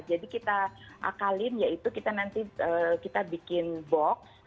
kita akalin yaitu kita nanti kita bikin box